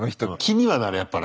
気にはなるやっぱ。